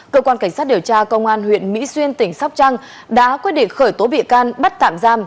cơ quan cảnh sát điều tra công an huyện mỹ xuyên tỉnh sóc trăng đã quyết định khởi tố bị can bắt tạm giam